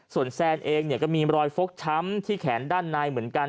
ส่วนแซนเองก็มีรอยฟกช้ำที่แขนด้านในเหมือนกัน